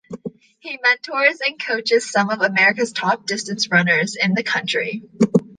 He mentors and coaches some of America's top distance runners in the country.